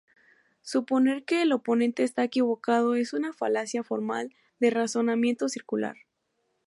Suponer que el oponente está equivocado es una falacia formal de razonamiento circular.